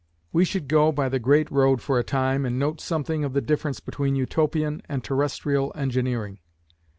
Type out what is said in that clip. We should go by the great road for a time, and note something of the difference between Utopian and terrestrial engineering.